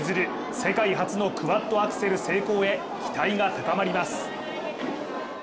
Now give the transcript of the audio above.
世界初のクワッドアクセル成功へ期待が高まります。